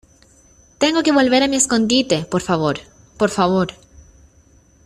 tengo que volver a mi escondite, por favor. por favor .